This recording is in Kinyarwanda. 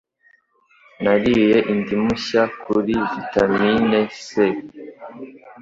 Nariye indimu nshya kuri vitamine C.